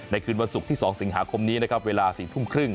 คืนวันศุกร์ที่๒สิงหาคมนี้นะครับเวลา๔ทุ่มครึ่ง